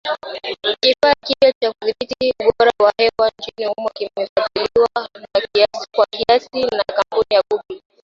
Kifaa kipya cha kudhibiti ubora wa hewa nchini humo kimefadhiliwa kwa kiasi na kampuni ya Google